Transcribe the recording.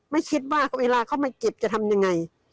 ไม่คิดว่าเวลาเขามาเก็บจะทำยังไง